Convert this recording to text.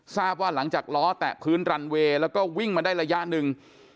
ทราบว่าหลังจากล้อแตะพื้นรันเวย์แล้วก็วิ่งมาได้ระยะหนึ่ง